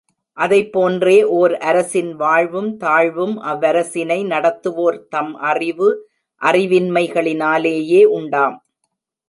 அதைப் போன்றே, ஒர் அரசின் வாழ்வும் தாழ்வும் அவ்வரசினை நடத்துவோர் தம் அறிவு, அறிவின்மை களினாலேயே உண்டாம்.